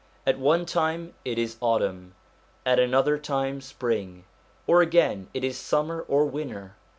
At one time it is autumn, at another time spring ; or again it is summer or winter.